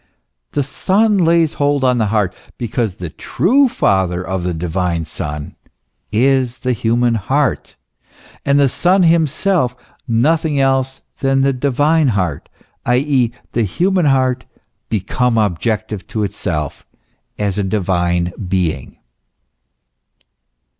The Son lays hold on the heart, because the true Father of the divine Son is the human heart,* and the Son himself nothing else than the divine heart, i. e., the human heart become objective to itself as a divine Being.